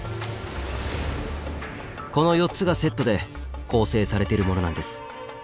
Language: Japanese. この４つがセットで構成されているものなんです。